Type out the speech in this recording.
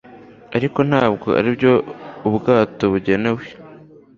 ariko ntabwo aribyo ubwato bugenewe